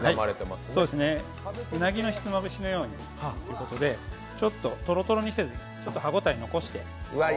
うなぎのひつまぶしのようにということで、ちょっととろとろにせずちょっと歯応え残して。